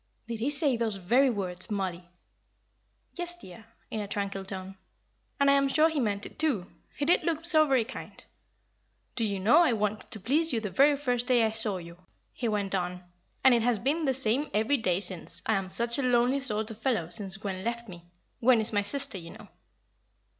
"Did he say those very words, Mollie?" "Yes, dear," in a tranquil tone. "And I am sure he meant it, too. He did look so very kind. 'Do you know I wanted to please you the very first day I saw you,' he went on, 'and it has been the same every day since. I am such a lonely sort of fellow since Gwen left me. Gwen is my sister, you know.'"